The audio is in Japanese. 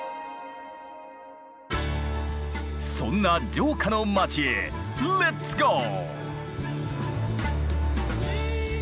そんな城下のまちへレッツゴー！